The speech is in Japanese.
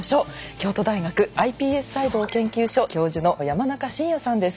京都大学ｉＰＳ細胞研究所教授の山中伸弥さんです。